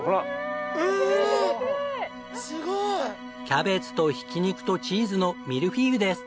キャベツとひき肉とチーズのミルフィーユです！